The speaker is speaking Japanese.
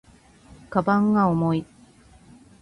鞄が重い